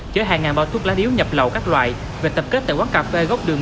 chở hàng ngàn bao thuốc lá điếu nhập lậu các loại về tập kết tại quán cà phê gốc đường